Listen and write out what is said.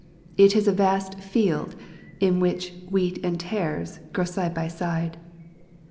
147 It is a vast " field'' in which " wheat and tares'' grow side by side.